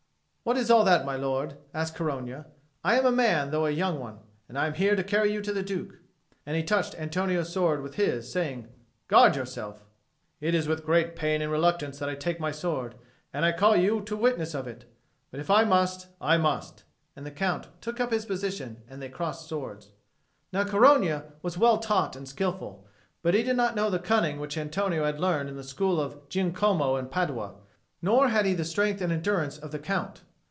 "What is all that, my lord?" asked Corogna. "I am a man, though a young one; and I am here to carry you to the Duke." And he touched Antonio's sword with his, saying, "Guard yourself." "It is with great pain and reluctance that I take my sword, and I call you to witness of it; but if I must, I must;" and the Count took up his position and they crossed swords. Now Corogna was well taught and skilful, but he did not know the cunning which Antonio had learned in the school of Giacomo in Padua, nor had he the strength and endurance of the Count.